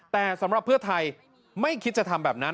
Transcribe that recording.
แต่สำหรับเพื่อไทยไม่คิดจะทำแบบนั้น